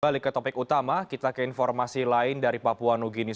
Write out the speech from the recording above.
balik ke topik utama kita ke informasi lain dari papua new guinea